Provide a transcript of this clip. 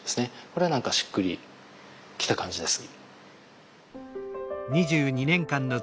これは何かしっくりきた感じです。